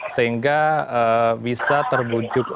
sehingga bisa terbujuk